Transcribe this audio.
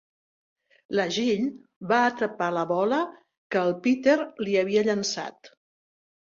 La Jill va atrapar la bola que el Peter li havia llançat.